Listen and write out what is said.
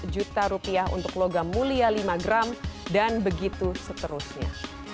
tiga empat belas juta rupiah untuk logam mulia lima gram dan begitu seterusnya